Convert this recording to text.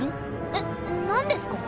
えっなんですか？